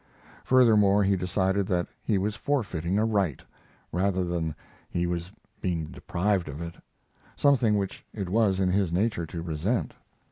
Furthermore, he decided that he was forfeiting a right; rather that he was being deprived of it: something which it was in his nature to resent.